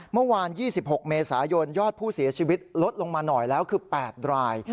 เมื่อวาน๒๖เมษายนยอดผู้เสียชีวิตลดลงมาหน่อยแล้วคือ๘ราย